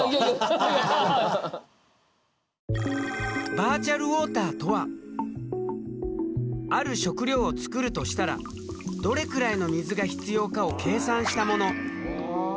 バーチャルウォーターとはある食料を作るとしたらどれくらいの水が必要かを計算したもの。